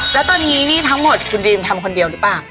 แล้วตอนนี้นี่ทั้งหมดคุณดีมทำคนเดียวหรือเปล่า